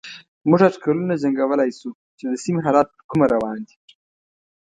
موږ اټکلونه جنګولای شو چې د سيمې حالات پر کومه روان دي.